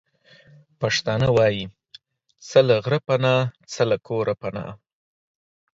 پښتانه وايې:څه له غره پنا، څه له کوره پنا.